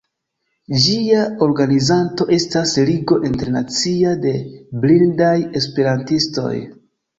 Ĝia organizanto estas Ligo Internacia de Blindaj Esperantistoj.